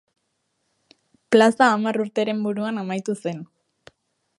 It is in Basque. Plaza hamar urteren buruan amaitu zen.